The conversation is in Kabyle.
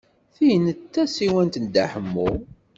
Tin d tasiwant n Dda Ḥemmu.